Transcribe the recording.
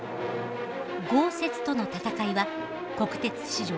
「豪雪とのたたかい」は国鉄史上